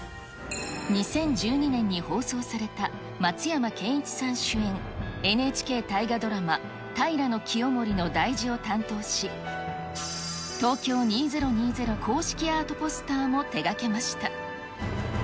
２０１２年に放送された、松山ケンイチさん主演、ＮＨＫ大河ドラマ、平清盛の題字を担当し、東京２０２０公式アートポスターも手がけました。